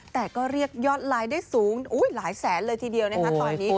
แต่ก็เรียกยอดไลน์ได้สูงหลายแสนเลยทีเดียวนะคะตอนนี้